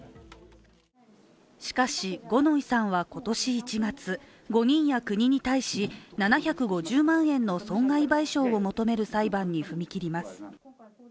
しかし、五ノ井さんは今年１月５人や国に対し７５０万円の損害賠償を求める裁判に踏み切ります。